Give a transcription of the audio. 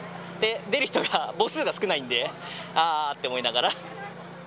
出る人が、母数が少ないんで、ああって思いながら。